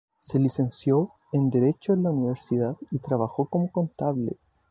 Se licenció en Derecho en la universidad y trabajó como contable.